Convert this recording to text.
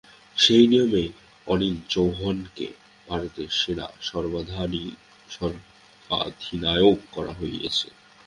সেই নিয়মেই অনিল চৌহানকে ভারতের সেনা সর্বাধিনায়ক করা হয়েছে।